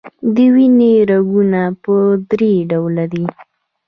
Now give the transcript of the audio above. د وینې رګونه په دری ډوله دي.